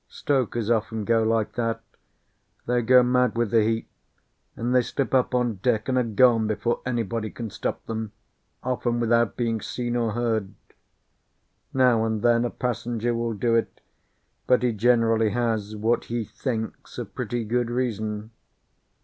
Stokers often go like that. They go mad with the heat, and they slip up on deck and are gone before anybody can stop them, often without being seen or heard. Now and then a passenger will do it, but he generally has what he thinks a pretty good reason.